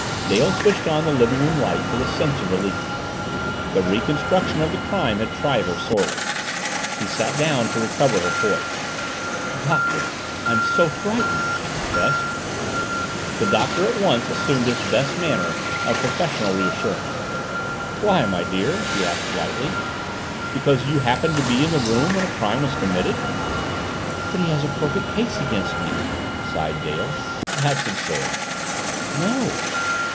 Dale switched on the living room lights with a sense of relief. The reconstruction of the crime had tried her sorely. She sat down to recover her poise. "Doctor! I'm so frightened!" she confessed. The Doctor at once assumed his best manner of professional reassurance. "Why, my dear child?" he asked lightly. "Because you happened to be in the room when a crime was committed?" "But he has a perfect case against me," sighed Dale. "That's absurd!" "No."